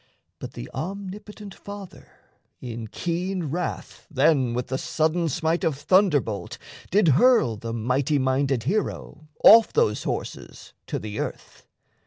But the omnipotent Father in keen wrath Then with the sudden smite of thunderbolt Did hurl the mighty minded hero off Those horses to the earth.